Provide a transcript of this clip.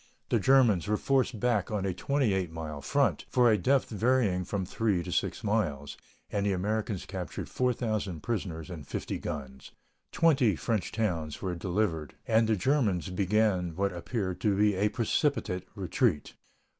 The Germans were forced back on a 28 mile front, for a depth varying from 3 to 6 miles, and the Americans captured 4,000 prisoners and 50 guns. Twenty French towns were delivered, and the Germans began what appeared to be a precipitate retreat.